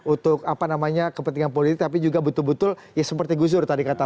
untuk apa namanya kepentingan politik tapi juga betul betul ya seperti gus dur tadi kata